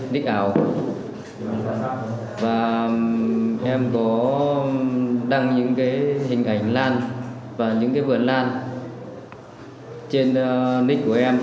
ních ảo và em có đăng những cái hình ảnh lan và những cái vườn lan trên ních của em